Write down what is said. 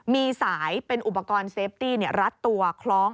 มีสายเป็นอุปกรณ์เซฟตี้รัดตัวคล้อง